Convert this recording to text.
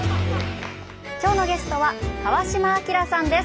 今日のゲストは川島明さんです。